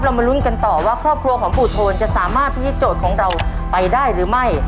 มาลุ้นกันต่อว่าครอบครัวของปู่โทนจะสามารถพิธีโจทย์ของเราไปได้หรือไม่